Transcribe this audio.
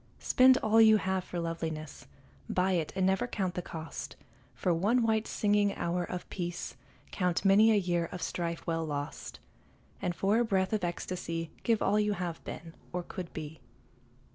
Spend all you have for loveliness, Buy it and never count the cost; For one white singing hour of peace Count many a year of strife well lost, And for a breath of ecstasy Give all you have been, or could be.